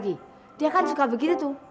iya iya pergi